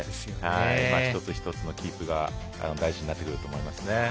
一つ一つのキープが大事になってくると思います。